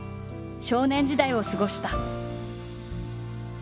少年時代を過ごした。